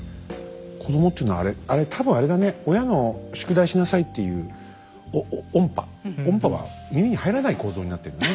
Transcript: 子どもっていうのは多分あれだね親の「宿題しなさい」っていう音波音波は耳に入らない構造になってんだね。